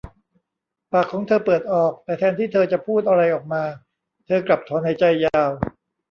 ปากของเธอเปิดออก แต่แทนที่เธอจะพูดอะไรออกมา เธอกลับถอนหายใจยาว